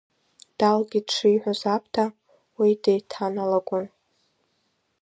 Далгеит шиҳәоз Аԥҭа, уи деиҭаналагон.